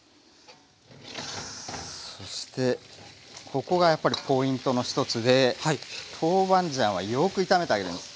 そしてここがやっぱりポイントの１つでトーバンジャンはよく炒めてあげます。